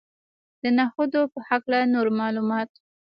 د نخودو په هکله نور معلومات.